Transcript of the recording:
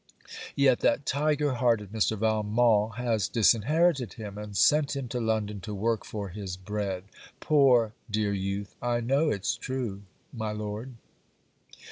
Yet that tyger hearted Mr. Valmont has disinherited him, and sent him to London to work for his bread! Poor dear youth! I know it's true, my Lord.'